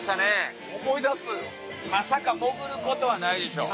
まさか潜ることはないでしょ。